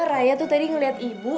raya tuh tadi ngeliat ibu